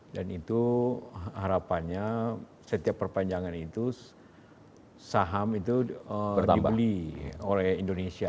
dan itu harapannya setiap perpanjangan itu saham itu dibeli oleh indonesia